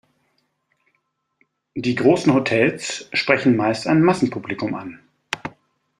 Die großen Hotels sprechen meist ein Massenpublikum an.